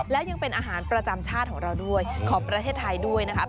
และยังเป็นอาหารประจำชาติของเราด้วยของประเทศไทยด้วยนะครับ